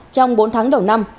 trong bốn tháng đầu năm